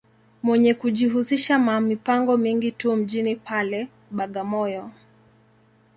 Mwenye kujihusisha ma mipango mingi tu mjini pale, Bagamoyo.